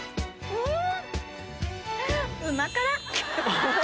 うん。